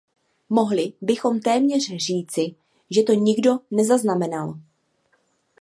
Mohli bychom téměř říci, že to nikdo nezaznamenal.